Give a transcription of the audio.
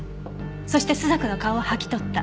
「そして朱雀の顔を剥ぎ取った」